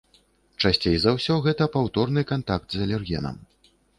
Часцей за ўсё, гэта паўторны кантакт з алергенам.